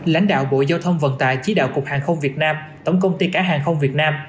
lãnh đạo bộ giao thông vận tải chỉ đạo cục hàng không việt nam tổng công ty cả hàng không việt nam